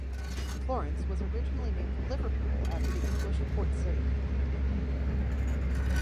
Florence was originally named Liverpool after the English port city.